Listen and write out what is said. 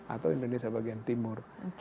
atau indonesia bagian timur